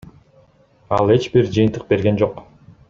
Ал эч бир жыйынтык берген жок.